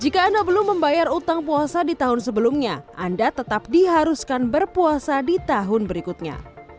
jika anda belum membayar utang puasa di tahun sebelumnya anda tetap diharuskan berpuasa di tahun berikutnya